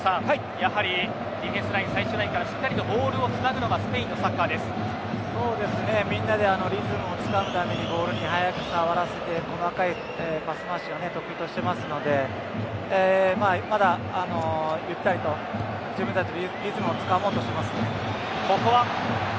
やはりディフェンスライン最終ラインからしっかりボールをつなぐのがみんなでリズムをつかむためにボールに早く触らせて細かいパス回しを得意としていますのでまだ、ゆったりと自分たちのリズムをつかもうとしていますよね。